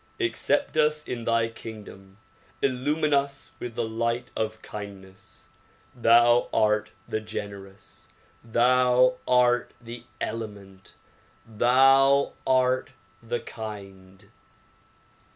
Accept us in thy king dom. Illumine us with the light of kindness. Thou art the gener ous ! Thou art the clement I Thou art the kind